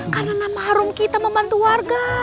karena nama harum kita membantu warga